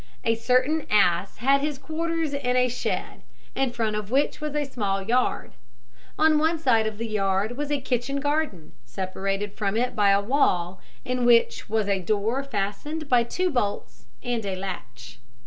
A certain ass had his quarters in a shed, in front of which was a small yard. On one side of the yard was a kitchen garden, separated from it by a wall, in which was a door fastened by two bolts and a latch.